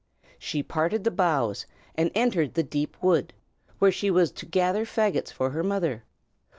She parted the boughs, and entered the deep wood, where she was to gather faggots for her mother.